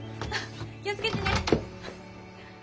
気を付けてね。